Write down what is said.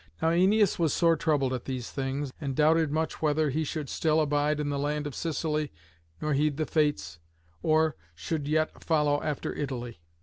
Now Æneas was sore troubled at these things, and doubted much whether he should still abide in the land of Sicily nor heed the Fates, or should yet follow after Italy.